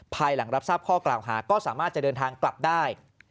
ภายหลังรับทราบข้อกล่าวหาก็สามารถจะเดินทางกลับได้